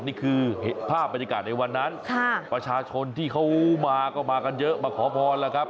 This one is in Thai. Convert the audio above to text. นี่คือภาพบรรยากาศในวันนั้นประชาชนที่เขามาก็มากันเยอะมาขอพรแล้วครับ